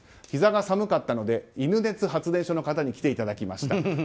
ひざが寒かったので犬熱発電所の方に来ていただきました。